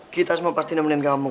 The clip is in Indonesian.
kita semua pasti nemenin kamu